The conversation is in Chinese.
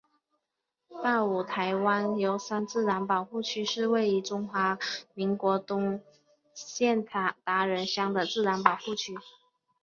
大武台湾油杉自然保护区是位于中华民国台东县达仁乡的自然保护区。